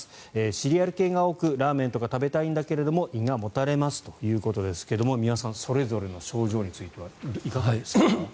シリアル系が多くラーメンとか食べたいんだけども胃がもたれますということですが三輪さんそれぞれの症状についてはいかがですか。